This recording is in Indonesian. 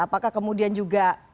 apakah kemudian juga